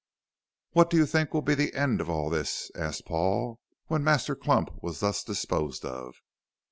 "What do you think will be the end of all this?" asked Paul, when Master Clump was thus disposed of.